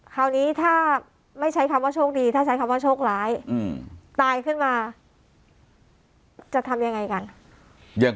คราวนี้ถ้าไม่ใช้คำว่าโชคดีถ้าใช้คำว่าโชคหลาย